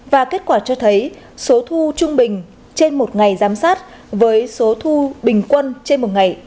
và kết quả cho thấy số thu trung bình trên một ngày giám sát với số thu bình quân trên một ngày